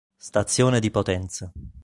Stazione di Potenza